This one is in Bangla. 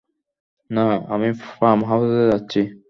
না, আমি ফার্ম হাউজে যাচ্ছি।